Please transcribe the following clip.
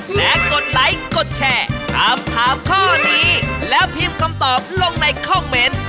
และกดไลค์กดแชร์ถามถามข้อนี้แล้วพิมพ์คำตอบลงในคอมเมนต์